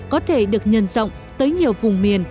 có thể được nhân rộng tới nhiều vùng miền